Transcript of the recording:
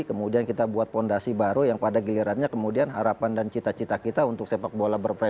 kemudian kita buat fondasi baru yang pada gilirannya kemudian harapan dan cita cita kita untuk sepak bola berprestasi